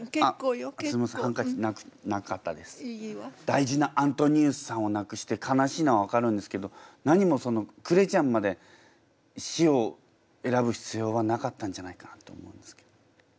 大事なアントニウスさんをなくして悲しいのはわかるんですけどなにもそのクレちゃんまで死を選ぶ必要はなかったんじゃないかなって思うんですけど。